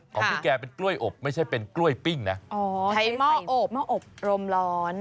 ของพี่แกเป็นกล้วยอบไม่ใช่เป็นกล้วยปิ้งนะอ๋อใช้หม้ออบหม้ออบรมร้อน